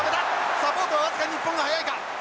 サポートは僅かに日本が早いか！